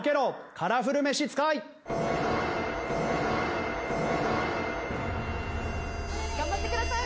カラフル召使い！頑張ってください！